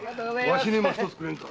わしにも一つくれぬか？